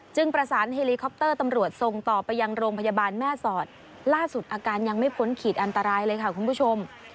ประสานเฮลิคอปเตอร์ตำรวจส่งต่อไปยังโรงพยาบาลแม่สอดล่าสุดอาการยังไม่พ้นขีดอันตรายเลยค่ะคุณผู้ชม